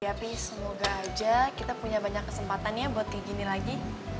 tapi semoga aja kita punya banyak kesempatan ya buat kayak gini lagi